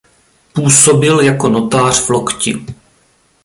Působil jako notář v Lokti.